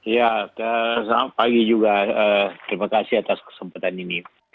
ya selamat pagi juga terima kasih atas kesempatan ini